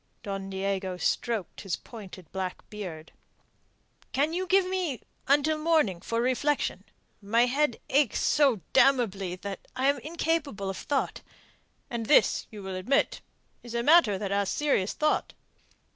Don Diego stroked his pointed black beard. "Can you give me until morning for reflection? My head aches so damnably that I am incapable of thought. And this, you will admit, is a matter that asks serious thought."